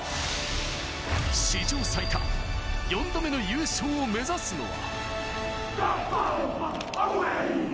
史上最多４度目の優勝を目指すのは。